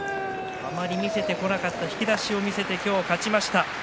あまり見せてこなかった引き出しを見せて今日勝ちました。